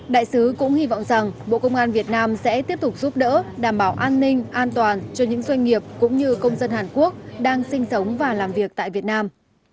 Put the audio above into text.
đại sứ cũng hy vọng rằng bộ công an việt nam sẽ tiếp tục giúp đỡ đảm bảo an ninh an toàn cho những doanh nghiệp cũng như công dân hàn quốc đang sinh sống và làm việc tại việt nam